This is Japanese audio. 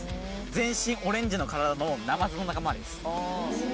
全身オレンジの体のナマズの仲間です。